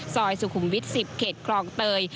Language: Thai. ซอยสุขุมวิท๑๐เกตกรองเตย